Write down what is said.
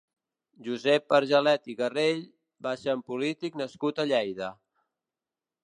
Josep Agelet i Garrell va ser un polític nascut a Lleida.